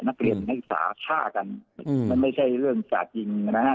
นักเรียนให้สาธารณ์ฆ่ากันอืมมันไม่ใช่เรื่องจากจริงนะฮะ